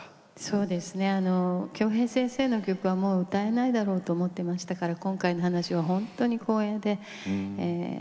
そうですね京平先生の曲はもう歌えないだろうと思ってましたから今回の話は本当に光栄で。